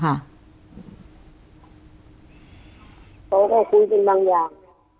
เขาก็คุยกันบางอย่าง